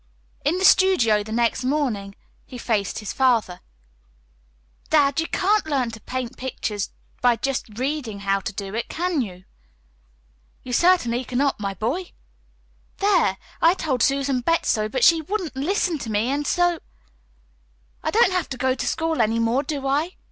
In the studio the next morning he faced his father. "Dad, you can't learn to paint pictures by just READING how to do it, can you?" "You certainly cannot, my boy." "There! I told Susan Betts so, but she wouldn't LISTEN to me. And so I don't have to go to school any more, do I?"